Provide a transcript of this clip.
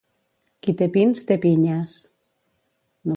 Qui té pins, té pinyes.